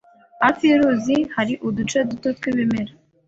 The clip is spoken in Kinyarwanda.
Hafi yuruzi hari uduce duto twibimera.